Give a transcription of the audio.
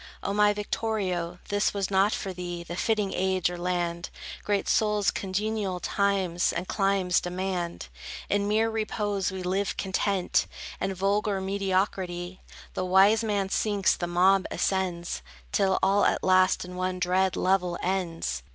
O my Victorio, this was not for thee The fitting age, or land. Great souls congenial times and climes demand. In mere repose we live content, And vulgar mediocrity; The wise man sinks, the mob ascends, Till all at last in one dread level ends.